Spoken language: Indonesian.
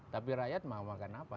tapi rakyat mau makan apa